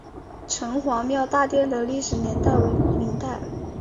城隍庙大殿的历史年代为明代。